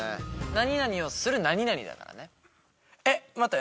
何々をする何々だからね。